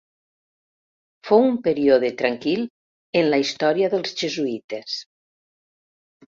Fou un període tranquil en la història dels jesuïtes.